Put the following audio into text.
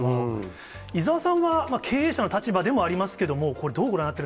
伊沢さんは、経営者の立場でもありますけど、これ、どうご覧にな